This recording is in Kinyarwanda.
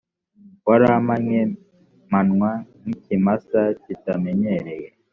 warampannye mpanwa nk ikimasa kitamenyereye